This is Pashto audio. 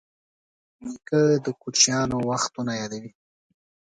نیکه د کوچیانو وختونه یادوي.